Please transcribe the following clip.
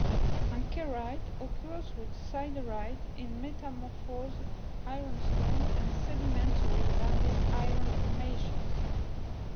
Ankerite occurs with siderite in metamorphosed ironstones and sedimentary banded iron formations.